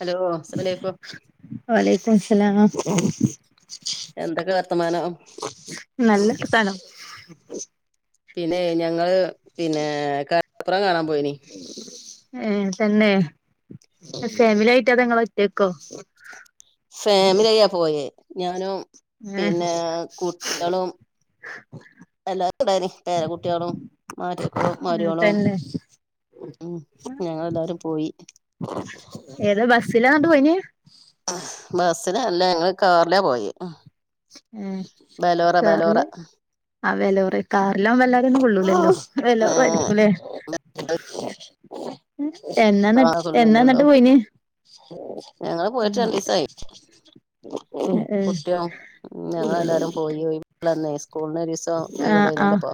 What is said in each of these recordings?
Hello അസ്സലാമു അലൈക്കും വലൈകുംമുസ്സലാം എന്തൊക്കെ വർത്തമാനം നല്ല വാർത്താനം [unintelligible] പിന്നെ ഞങ്ങള് പിന്നെ കടപ്പുറം കാണാൻ പോയിനി ഏഹ്‌ തന്നെ ഫാമിലി ആയിട്ടോ അതോ ഇങ്ങള് ഒറ്റക്കോ ഫാമിലി ആയ പോയേ ഞാനും ഏ പിന്നെ കുട്ടികളും എല്ലാരും ഇണ്ടേനി പേര കുട്ട്യാളും മര്യക്കളും മരോളും തന്നെ ഉം ഞങ്ങെളെല്ലാരും പോയി ഏതാ ബസ്സിലാ അങ്ങട്ട് പോയിനി ബസിലല്ല ഞങ്ങള് കാറിലാ പോയെ ഏഹ് ബലോറ ബലോറ ആ ബാലോറ കാറിലാമ്പോ എല്ലാരേം ഒന്നും കൊള്ളൂലല്ലോ ബലോറേ ഏഹ് ആയിരിക്കൂല്ലേ എന്നാന്നിട്ട് കാറൊള്ളൂല്ലോ എന്നാന്നിട്ട് പോയിന് ഞങ്ങള് പോയിട്ട് രണ്ടീസായി ഉം ഉം ഞങ്ങൾ എല്ലാരും പോയി ഒയിവ് ഇള്ള അന്നേ സ്കൂളിന് ഒരീസം ആ ഒയിവ് ആ ഇണ്ടേനല്ലോ അപ്പൊ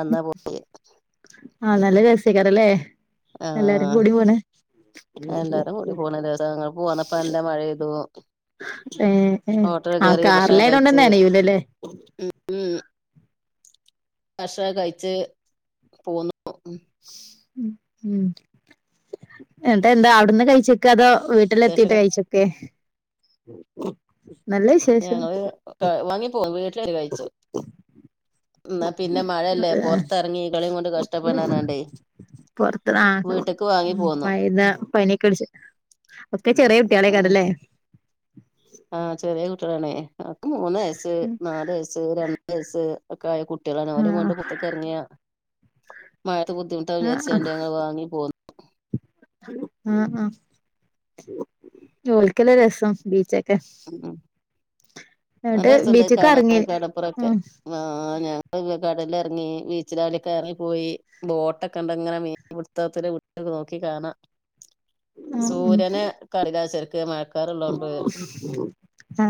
എന്നാ പോയി ആഹ നല്ല രസ്യക്കാരല്ലേ എല്ലാരും ആഹ് കൂടി പോണ് എല്ലാരും കൂടി പോണല്ലേ ങ്ങ പോവന്നപ്പോ എല്ലാ മഴയെയ്തു ഏ ആ ഭക്ഷണം കഴിച്ച് കാറലേനോണ്ടന്നാണ് നനയൂല ല്ലേ ഭഷണം കഴിച്ച് പോന്ന ആ ഉം ഉ എന്നിട്ട് എന്താ അവിടുന്ന് കഴിച്ചക്ക അതോ വട്ടില ശേഷം എത്തിട്ട് കഴിച്ചൊക്കെ നല്ല വിശേഷം [unintelligible] വീട്ടിലത്തിയരെ കഴിച്ചു എന്നാ പിന്നെ മഴല്ലേ പൊറത്തിറങ്ങി ഇവിളേം കൊണ്ട് കഷ്ടപ്പെടാനാണ്ടേ പെറത്ത് നർത്തെ വീട്ട്ക്ക് വാങ്ങി പോന്നു വൈതാ പനി പടിച്ച് ഒക്കെ ചെറിയ കുട്ടികളെക്കാരല്ലേ ആ ചെറിയ കുട്ടികളാണ് ഒക്കെ മൂന്ന് വയസ്സ് നാല് വയസ്സ് രണ്ട് വയസ്സ് ഒക്കെ ആയ കുട്ടികളാണ് അവര കൊണ്ട് ആഹ് പെറത്തക്കെ ഇറങ്ങിയ മഴത്തെ ബുദ്ധിമുട്ട് ആഹ് വിചാരിച്ചാണ്ട് ഞങ്ങൾ വാങ്ങി പോന്നു ആ ആ ഒൽക്കല രസം ബീച്ചക്ക എസ് ഉം നല്ല രസുണ്ട് കാണാ കടപ്പുറൊക്കെ ഉം ആ ഞാൻകടലിറങ്ങി ബീച്ചിലള കറങ്ങി പോയി ബോട്ടൊക്കെ ഉണ്ട ഇങ്ങനെ മീൻ പിടുത്തത്തില് വിട്ടെ നോക്കി കാണാം ഉം സൂര്യന കരിതചെർക്ക് മഴ ആ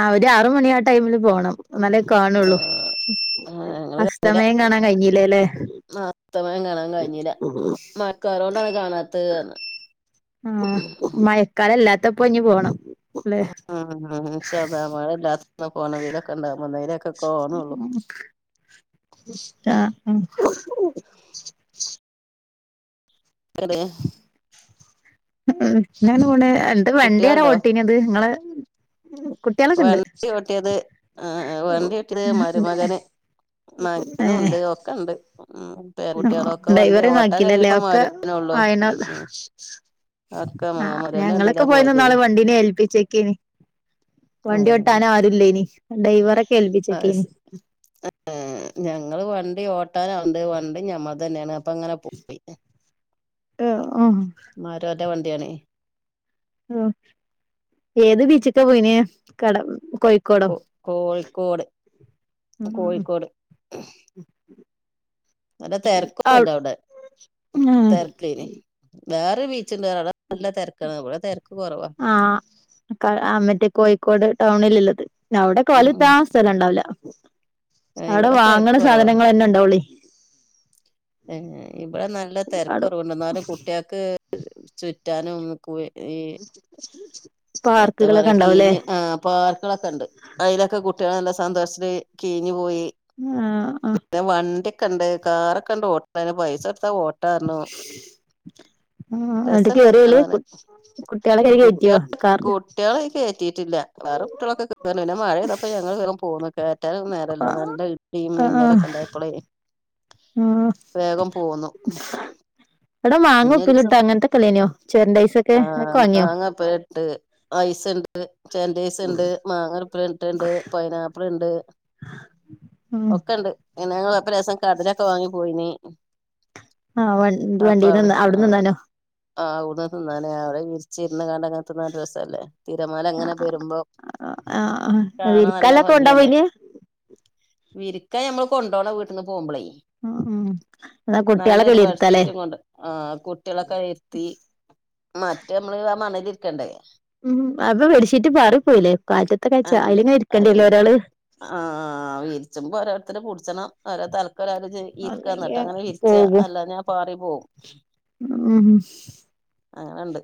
ആ ഒരു ആറുമണി ആ ടൈമില് പോണം നല്ല കാണുള്ളൂ ആഹ് ആഹ് ഞങ്ങള് അസ്തമയം കാണാൻ കഴിഞ്ഞില്ലേല്ലേ അസ്തമായം കാണാൻ കഴിഞ്ഞില്ല മയക്കാർ കൊണ്ടാണ് കാണാത്ത് ആ മഴക്കാലല്ലാത്തപ്പ ഇഞ്ഞിപോണം ആ ഇൻഷാ അള്ളാ മഴയില്ലാത്തപ്പോ പോണം വെയിലൊക്കെ ഉണ്ടാവുമ്പോ ഇന്നാൽ ഒക്കെ കാണുള്ളൂ ഇഷ്ടാ [unintelligible] മം ഇച്ച് ഇങ്ങനെ തോന്നാ വണ്ടിയരാ കുട്ടികളുണ്ടോ ഓട്ടീനത് നിങ്ങള് വണ്ടി ഓട്ടിയത് ആവണ്ടി ഓട്ടിയത് മരുമകന് മകനും ഉണ്ട് ഒക്കെ ഉണ്ട് മം ആ ഡ്രൈവറെ അക്കില്ലല്ലേ ഒക്കെ മകനേ ഉള്ളൂ ഉം ആയനാൽ ഉം ഒക്കെ മകന്റെ വണ്ടിയിലാ ആഞങ്ങളൊക്കെ പോയന്ന പോയതേ നാള് വണ്ടിനെ ഏൽപ്പിച്ചക്കെനി ഏഹ് വണ്ടിൊട്ടാന ആരുല്ലേ ഇനി ഡ്രൈവറൊക്കെ ഏൽപ്പിച്ചേക്കെ നി ആ ഞങ്ങൾ വണ്ടി ഓട്ടന് ആളുണ്ട് വണ്ടി ഞമ്മൾ തന്നെയാണ് അപ്പോ ഞങ്ങൾ പോയി ആ മരുമോന്റെ വണ്ടിയാണ് ഏത് ബീച്ചൊക്കെ പോയിന് കട കോയി കോ കോഴിക്കോട് കോഴിക്കോട് നല്ല ആ തിരക്കൊന്നുല്ല അവിടെ മം വേറെൊരു ബീച്ചണ്ട് അവടെനല്ല തിരക്കാണ് ഇവിടെ തിരക്ക് കുറവാ ആ മറ്റേ കോഴിക്കോട് ടൗണിൽള്ളത് അവിടെക്കെ ഉം ഉം വലുത്ത സ്ഥലംണ്ടാവല ഏഹ് അവിടെ ഇവിടെ തിരക്ക് വാങ്ങണ കുറവാ സാധനങ്ങൾന്നെ ഉണ്ടാവൊള്ള ഇവിടെ നല്ല അവിടെ തിരക്കുറവുണ്ട് എന്നാലും കുട്ടികൾക്ക് ചുറ്റാനും എത്താ പാർക്കുകളൊക്കെ ഉണ്ടാവുംല്ലേ പറയാകീഞ്ഞഞ് ആ പാർക്കുകളൊക്കെ ഉണ്ട് അതിലൊക്കെ കുട്ടികൾ നല്ല സന്തോഷത്തി് കിഴഞ്ഞു പോയി ആ ആ പിന്ന വണ്ടിൊക്കെ ഉണ്ട് കാറൊക്കെ ഉണ്ട് ഓട്ടന് പൈസ എടുത്താ ഓട്ട ആ എന്നിട്ട് രസണ്ട് കേറിയോആയില് കാണാന് കുട്ടികളെ കയറ്റിയോ കുട്ടികൾ കാറില് കുട്ടികളെ കയറ്റിട്ടില്ല വേറെ കുട്ടികളൊക്കെ കേറു പിന്നെ മഴയ്തപ്പോ ഞങ്ങൾവേഗംപോകന്ന കേ ആ നേരല്ലോ നല്ല ഇടി മിന്നലൊക്കെ ഉണ്ടായപ്പോളേ മ് വേഗം പോന്നു [inaudible] അവിട മാങ്ങ ഇനി ഉപ്പില ഒരീസം ഇട്ടാ അങ്ങനത്തെക്ക ഇല്ലേനി ചെരണ്ടി ഐസ് ഒക്കെ ആ അതൊക്കെ വാങ്ങിയോ? ചെരണ്ടൈസ് ഉണ്ട് മാങ്ങ ഇപ്പിലിട്ടത് ഉണ്ട് പൈനാപ്പിൾ ഉണ്ട്. ഉം ഒക്കെ ഉണ്ട് ഇങ്ങനെ ലോസം കടലൊക്കെ വാങ്ങി പോയിനി ആവണ്ടി തിന്നാന്നോ അവിടെ തിന്നാനോ ആഹ് ഊത തിന്നാനെ അവിടെ വിരിച്ചിരുന്ന് കണ്ടങ്ങന തിന്നാൻ രസല്ലേ തിരമാല അങ്ങനെ വരുമ്പോ ആ ആ കാണാൻ നല്ല വിരിക്കാലൊക്കെ കൊണ്ടോവാ ഭംഗിയല്ലേ അയിന് വിരിക്കാൻ ഞമ്മൾ കൊണ്ടോവണം വീട്ട്ന്ന് പോവുമ്പോള് ഉ ഉം ന്നാ കുട്ടിയാളെ ഒകെ അയിൽ ഇരുത്തലേ ബെഡ്ഷീറ്റും ആ കുട്ടികളൊക്കെ ഇരുത്തി മറ്റെ നമ്മള് ആ മണലിരിക്കണ്ടേ ഉം അപ്പൊ ബെഡ്ഷീറ്റ് പാറി പോയിലേ കാറ്റത്തക്കാച്ചാ അയില് ഇങ്ങനെ ഇരിക്കണ്ടിരില്ലേ ഒരാള് ആഹ വിരിച്ചുമ്പോ ഓരോരുത്തര് പുടിച്ചണം ഓരോ തലക്കെ ഒരാള് ചെ ഇരിക്കാ അല്ലെങ്കി എന്നിട്ട് അങ്ങനെ വിരിച്ച പോകും അല്ലാഞ്ഞാൽ പാറി പോവും ഉം അങ്ങനെണ്ട്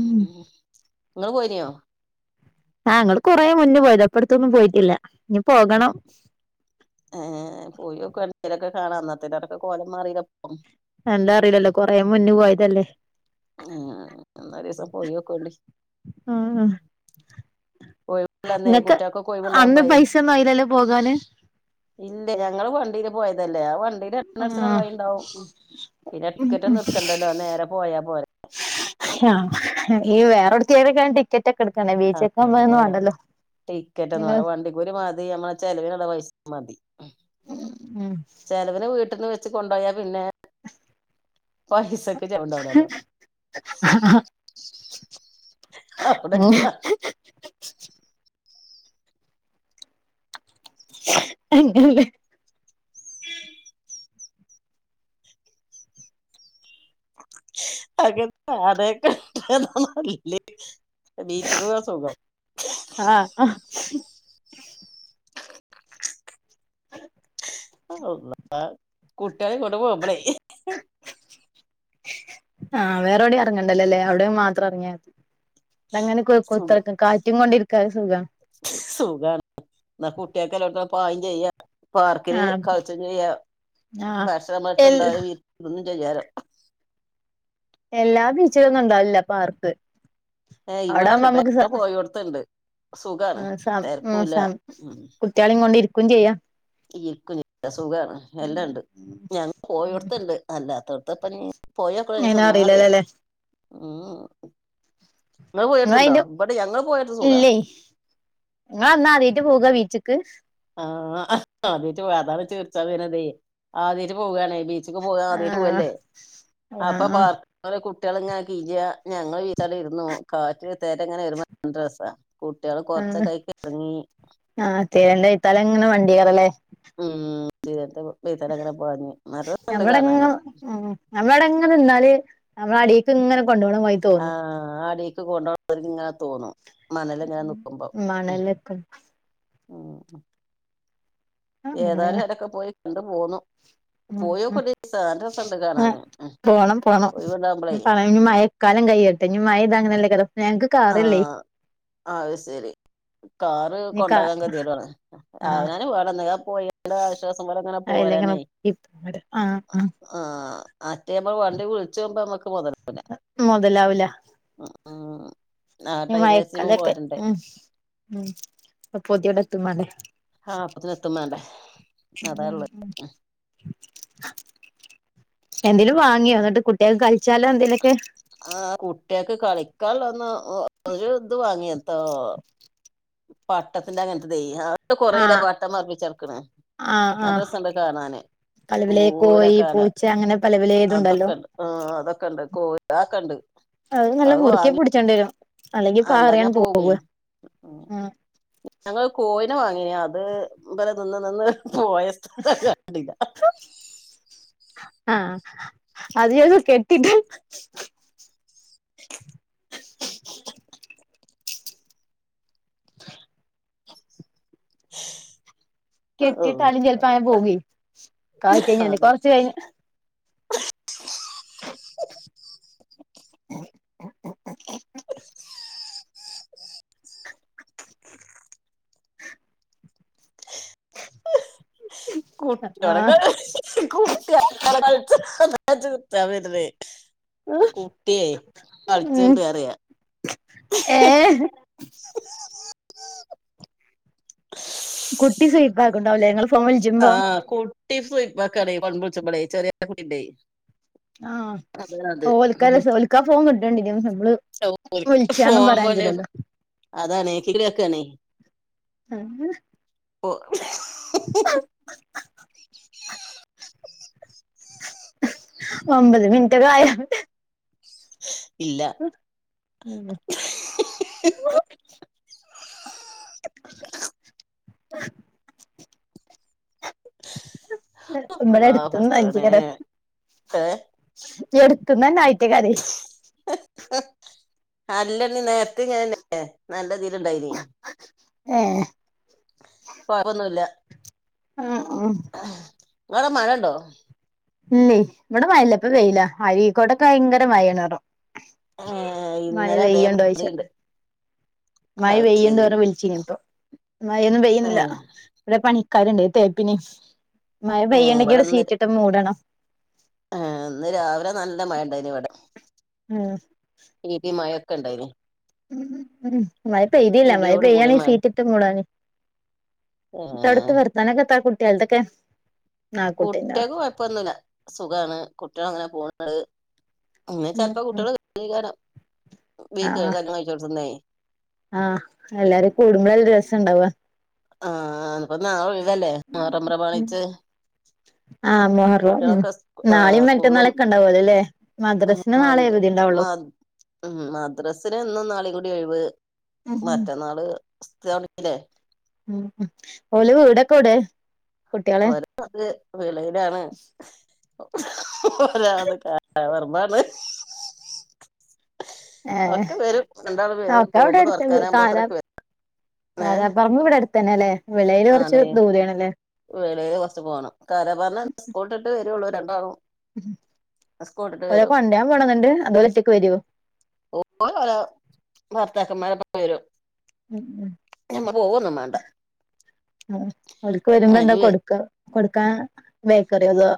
ഉം ഇങ്ങള് പോയിനീയോ? ആ ഇങ്ങൾ കുറെ മുന്നേ പോയതാ ഇപ്പ അടുത്തൊന്നും പോയിട്ടില്ല ഇനി പോകണം. ഏ പോയോക്കലൊക്കെ കാണാം അന്നത്തിരൊക്കെ കോലം മാറില്ലപ്പം എന്താ അറിയില്ലല്ലോ കൊറേ മുന്നേ പോയതല്ലേ ഉ എന്നാ ഒരീസം പോയൊക്കേണ്ടി ആഹ് ആഹ് പോയി ഇങ്ങക്ക് അന്ന് പൈസ ഒന്നും അയില്ലല്ലോ പോകാന് ഇണ്ട് ഞങ്ങള് വണ്ടീൽ പോയതല്ലേ ആ വണ്ടി ആഹ് [unintelligible] ണ്ടാവും പിന്നെ ഉം ഉം ടിക്കറ്റൊന്നട്‌ക്കണ്ടല്ലോ നേരെ പോയാ പോരെ ആഹ് ഈ വേറൊട്ത്തി ഏതൊക്കണ്ടി ടിക്കറ്റ്റ്റൊക്കെ എടുക്കണേ ബീച്ച് ക്കാവുമ്പം അതെന്നും ആഹ് വേണ്ടല്ലോ ടിക്കറ്റൊന്നും നിങ്ങള് വേണ്ടാ വണ്ടിക്കൂലി മതി നമ്മളെ ചെലവിനുള്ള പൈസ മതി. ഉം ചെലവിന് വീട്ട്ന്ന് വെച്ച് കൊണ്ടുപോയാ പിന്നെ പൈസക്ക് ചെലവ് ഉണ്ടാവുല്ലല്ലോ [inaudible] [unintelligible] അങ്ങല്ലെ [unintelligible] ബീച് പോവ സുഖം ആഹ ആ ആ കുട്ട്യാളെയും കൊണ്ടു പോവുമ്പോള് ആഹ വേറെവിടെ ഇറങ്ങണ്ടല്ലെല്ലേ അവിടെയും മാത്രം ഇറങ്ങിയാ അങ്ങനെ കുത്തർക്കാ കാറ്റും കൊണ്ടിരിക്കാ സുഖാ സുഖാണ് എന്നാ കുട്ടിയെക്ക് എല്ലോടത്തും ഒക്കെ പായ് ചെയ്യാ പാർക്കില് ആഹ് കളച്ചം ചെയ്യ ആഹ് ഭക്ഷണമത്ത് എൽ ണ്ടായാ [unintelligible] ചെയ്യാലോ എല്ലാ ബീച്ചിലൊന്നും ഉണ്ടാവലില്ല പാർക്ക് ഏ അവിടെ ആവുമ്പോ ഇവിടെണ്ട്ട്ടോ നമുക്ക് സ ഇവിടെ പോയോട്ത് ഇണ്ട് സുഖാണ് തെരക്കൂല്ല ഉ കുട്ടിയാളെ കൊണ്ടിരിക്കും ചെയ്യാം ഇരിക്കും ചെയ്യ സുഖാണ് എല്ലാം ഉണ്ട് ഞങ്ങൾ പോയോട്ത് ഇണ്ട് അല്ലാതോട്ത് ഇപ്പഞ്ഞി പോയൊക്കണം ഒരൂസം ന്നാ അറിയാം അയിനറിയില്ലല്ലോല്ലേ ഉം ങ്ങൾ നിങ്ങള പോയോട്ത്ണ്ടോ അയിന്റെ ബടെ ഞങ്ങൾ പോയോട്ത് സുഖാ ഇങ്ങള് അന്നാ ആദ്യായിട്ട് പോകാ ബീച്ചിക്ക് ആഹ ആദ്യാട്ട് പോവാണ് അതാണ് ചിരിച്ചാൻ വരുന്നതേ ആദ്യട്ട് പോവാണേ ബീച്ചക്ക് പോവാ ആദ്യായിട്ട് ആഹ് പോവല്ലേ അപ്പൊ ആഹ് പാർക്ക്‌ കുട്ടികൾ ഇങ്ങനെ കീഴാ ഞങ്ങൾ വിരിച്ചാണ്ട് ഇരുന്നു കാറ്റ് തേരങ്ങനെ വരുമ്പോ നല്ല രസാ കുട്ടികള് ആഹ് കൊറചോക്കെ അയ്ക്ക് എറങ്ങി ആഹ് തേരന്റെ വൈത്താലേ ഇങ്ങനെ മണ്ടിയാവുംല്ലേ ഉം തിരന്റെ വൈത്താലേ ഇങ്ങനെ പാഞ് നല്ല രസണ്ട് കാണാന് നമ്മള് അവിടെ ഇങ്ങനെ നിന്നാല് നമ്മളെ അടിക്ക് ഇങ്ങനെ കൊണ്ടോവ്ണ മായി ആഹ് അടീക്ക് കൊണ്ടോ [unintelligible] ഇങ്ങനെ തോന്നും മണല് ഇങ്ങനെ നിക്കുമ്പോ ഉം മണലൊക്കെ ഉം ഏതാനും അയ്ലൊക്കെ പോയി കണ്ടു പോന്നു പോയോകൊണ്ടി ഒരീസൊ നല്ല രസണ്ട് കാണാാന് ഉം ഒയിവ്ണ്ടാവുമ്പളേ അയ്ന് മഴക്കാലം കയ്യട്ടെ ഞ് മഴയ്ത അങ്ങനെല്ലകരം ഞൻക്ക് ആഹ് അഹ് ശരി കാറ് ഇനി കാ കൊണ്ടാകാൻ കദ്യേടാണ് തില്ല ആഹ് ആവ്നാന് [unintelligible] പോയി ന്തരാശ്വാസം പോലെ ങ്ങനെ അയിലങ്ങനെ പോരാനേ ആഹ് ആഹ് ആഹ് അറ്റേമ്മള് വണ്ടി വിളിച്ചോഉമ്പ മ്മക്ക് മൊതലാഉല മൊതലാവ് ല ആ ഞ്ഞി ടൈമിനനുസരിച്ച് നമ്മള് മയക്കലക്കെ പോരണ്ടേ ഉം ഉം ആ അപ്പത്തിന് എത്തും വേണ്ടേ [unintelligible] ഉം അതാള്ളത് ഉം എന്തേലും വാങ്ങിയോ ന്നട്ട് കുട്ട്യേക് കളിച്ചാലോ എന്തേലൊക്കെ ആഹ് കുട്ട്യേക്ക് കളിക്കാൻള്ളന്ന് ഒരു ഇത് വാങ്ങിയത്തോ പട്ടത്തിന്റെ അങ്ങൻത്തതേ ആ ട്ട് കൊറെരം ആഹ് പാട്ട മർപ്പിച്ചേർക്ണ് നല്ല രസണ്ട് കാണാന് പലവലേ കോയി ദൂരക്കാന പൂച്ച അങ്ങനെ പലപലേ തുണ്ടല്ലോ ആഹ് അതൊക്കെണ്ട് കോ അഒക്കെണ്ട് അഹ് നല്ല മുറുക്കി പിടിച്ചണ്ടി വരും അല്ലെങ്കി അല്ലാഞ്ഞാ പാറിയൻ പോവേ പോവ ഉം അഹ് ഞങ്ങള് കോയിനെ വാങ്ങിഞ് അത് ബല നിന്ന് നിന്ന് പോയ ഉ സ്ഥലം കണ്ടില്ല ആഹ് [unintelligible] കെട്ടിട്ട് കെട്ടിട്ട് അാലും ചെൽപ്പോ അഎ പോവേ [unintelligible] [inaudible] കുറച്ച് കഴിഞ്ഞ് ആഹ് [unintelligible] കുട്ടിയേ ഉം കളിച്ചൊണ്ട് റിയ ഏഹ് കുട്ടി സൈപ്പാക്ണ്ടാവ് ല്ലേ ങ്ങളെ ആഹ് കുട്ടി സുയ്പ്പാക്കറി കൊൺ വിളിച്ചപ്പളെ ചെറിയ കുട്ടിണ്ടേ ആഹ് ഓൽക്ക രസ ഓൽക്കാ ഫോൻ കിട്ടണ്ടി [unintelligible] മ്മള് [unintelligible] അതാണെ [unintelligible] [unintelligible] ഓഹ് ഓ ഒമ്പത് മിൻ ഇല്ല [unintelligible] [unintelligible] എഹ് ഇമ്മടെ അല്ലാഹ് എടുത്ത്ന്ന പടച്ചോനെ ഏഹ് [unintelligible] എട്ത്ത്ന്നെ ആയിറ്റകാരെ എഹ് അല്ലന്ന് നേര്ത്തെങനെന്നെ നല്ലതീല്ണ്ടായ്ഞ്ഞി ഏഹ് പവൊന്നുല്ല ഉം ഉം ഇങ്ങടെ മഴണ്ടോ ഇല്ലേ ഇവിടെ മയല്ല ഇപ്പ വെയില അരിക്കോടൊക്കെ ഭയങ്കര മയേണറ ഏഹ് മഴ ഇന്നലെ പെയ്യ്ണ്ടോയ്ച്ച അതേമാതിരിണ്ട് മഴ അത് വെയ്യ്ണ്ട് ശരി അർഞ് വിളിച്ചീഞ്ഞിപ്പൊ മഴൊന്നും പെയ്യുന്നില്ല ഏഹ് രെ പണിക്കാര്ണ്ട് തേപ്പിന് മഴ ഏഹ് പെയ്യ്ണ്ടെങ്കി ഇടെ സീറ്റിട്ട് മൂടണം ആഹ് ഇന്ന് രാവിലെ നല്ല മഴണ്ടായ്ഞ് ഇവടെ ഉം രീതി മഴ ഒക്കെ ഉണ്ടായിന് ഉം ഉം മഴ പെയ്തില്ല മഴ ഇടിയോട് കൂടിയ പെയ്യാണേ ഈ മഴ സീറ്റിട്ട് മൂടാ- [inaudible] നിനക്കെത്ര കുട്ടി എന്തെക്കെയാ കുട്ടിക്ക് കൊഴപ്പൊന്നുമില്ല സുഖമാണ് കുട്ടികളെങ്ങനെ പോന്ന് അങ്ങനെ ഉം ചെലപ്പോ ഉം കുട്ടികള് [unintelligible] ആഹ് എല്ലാരും കൂടുമ്പോള രസം ഉണ്ടാവ ആഹ് അപ്പ നാളേ ഒഴ്വല്ലേ മുഹ്‌റം ഉം പ്രമാണിച്ച് ആഹ് മുഹ്‌റാം ഉം കുട്ട്യാളൊക്കെ സ്കൂ ഏഹ് നാളെയും സ്കൂളും മറ്റന്നാളൊക്കെ ഉണ്ടാവൂലാല്ലേ മദ്രസ് ഇന്ന് നാളെവധി ഉണ്ടാവുള്ളൂ ഉംഹ് മദ്രസല് ഇന്ന് നാളകൂടി ഒഴിവ് ഉം മറ്റന്നാള് [unintelligible] ഉഹ് ഓല് വീടൊക്കുടെ കുട്ടികളെ ഓല് വെളിയിലാണ് ഒരാള് [unintelligible] ഒക്കെവരും രണ്ടാള് വരും നോമ്പ് തുറക്കാനാവകുമ്പോതെക്ക് വരും ഏ കാരപ്പറമ്പ് ഇവിടെ അടുത്ത് തന്നെല്ലേ വിളയില് കുറച്ച് ദൂരയാണല്ലേ- വേളയിൽ കൊറച്ചു പോണം കാരപ്പറമ്പ് സ്കൂൾ വിട്ടിട്ട് വരൂ രണ്ടാളും സ്കൂളിട്ടിട്ട് ഓരെ വരും കൊണ്ടുവരാ പോണന്നണ്ട് അതോഉച്ചക്ക് വരുവോ- ഓഹ്ഹ് ഭർത്താക്കന്മാരെപ്പം വരും ഉം വേണ്ട ഉ അവക്ക് വരുമ്പോന്താ അതിന് കൊടുക്ക കൊടുക്കാൻ ബേക്കറിയതോ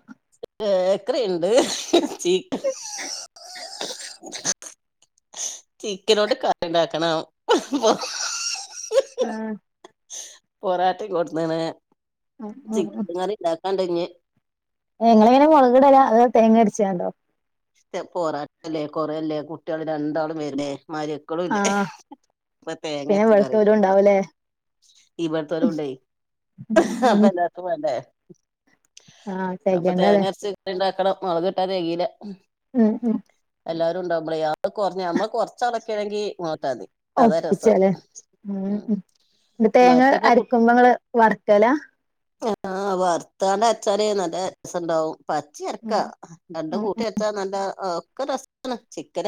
ബേക്കറിണ്ട് ചിക്കനുണ്ട് കറി ഇണ്ടാക്കണം ആഹ് പൊറാട്ടയുംകൊണ്ട്ന്നണ് ഉം ഉം ചിക്കൻകറി ഇണ്ടാക്കാൻണ്ടഞ് ഇങ്ങള എങ്ങനെ മുളകിടലാ അത് തേങ്ങ അടിച്ചിണ്ടോ പോറാട്ടല്ലേ കൊറയല്ലേ കുട്ടികൾ രണ്ടാളുംവരേല്ലേ മാര്യൊക്കളും ഇല്ലേ ആഹ് പിന്നെ ഇവളുത്തോരും ഉണ്ടാവുല്ലേ ഇവിടുത്തെോര ഉണ്ടേ ഉം ഉം അപ്പൊ എല്ലാർക്കും വേണ്ടേ ആഹ് അപ്പൊ തികയണ്ടല്ലേ തേങ്ങ അരച്ച കറി ഉണ്ടാക്കണം മുളക് ഇട്ടൽ തേകേല ഉം ഉം എല്ലാരും ഉണ്ടാവുമ്പോളേ അത് കുറഞാ നമ്മ കൊറച്ചളക്കാണെങ്കി മോളകിട്ടതി [unintelligible] ഉഹ് തേങ്ങ മറ്റേപ്പൊ കുട്ട് അരക്കുമ്പോങ്ങള് വറുക്കല ആഹ് വർത്താന്റരച്ചാല് നല്ല രസണ്ടാവും പച്ചരക്കാ ഉം രണ്ടും കൂട്ടി അരച്ച നല്ല ഒക്കരസാണ് ചിക്കന